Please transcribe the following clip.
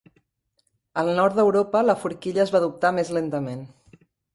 Al nord d'Europa, la forquilla es va adoptar més lentament.